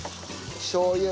しょう油。